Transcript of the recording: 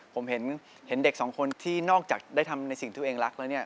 ผมเห็นเด็กสองคนที่นอกจากได้ทำในสิ่งที่ตัวเองรักแล้วเนี่ย